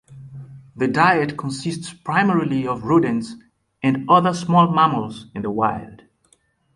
The diet consists primarily of rodents and other small mammals in the wild.